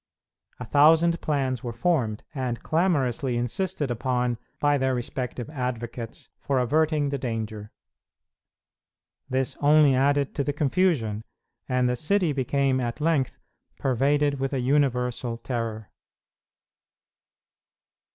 A thousand plans were formed, and clamorously insisted upon by their respective advocates, for averting the danger. This only added to the confusion, and the city became at length pervaded with a universal terror.